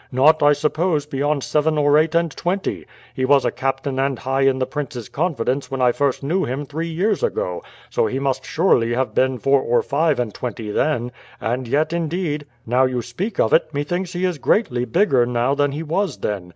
"Not, I suppose, beyond seven or eight and twenty. He was a captain and high in the prince's confidence when I first knew him three years ago, so he must surely have been four or five and twenty then; and yet, indeed, now you speak of it, methinks he is greatly bigger now than he was then.